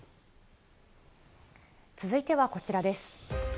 続いてはこちらです。